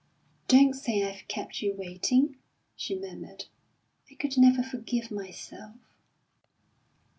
"Don't say I've kept you waiting," she murmured. "I could never forgive myself."